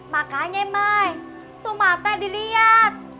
makanya mai tuh mata diliat